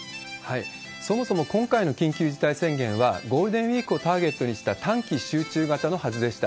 そもそも、今回の緊急事態宣言はゴールデンウィークをターゲットにした短期集中型のはずでした。